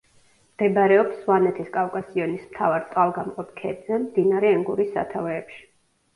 მდებარეობს სვანეთის კავკასიონის მთავარ წყალგამყოფ ქედზე, მდინარე ენგურის სათავეებში.